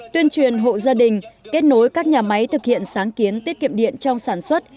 tuyên truyền hộ gia đình kết nối các nhà máy thực hiện sáng kiến tiết kiệm điện trong sản xuất